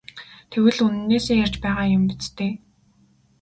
Тэгвэл үнэнээсээ ярьж байгаа юм биз дээ?